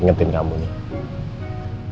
ingetin kamu nih